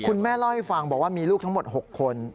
คุณแม่เล่าให้ฟังบอกว่ามีลูกทั้งหมด๖คน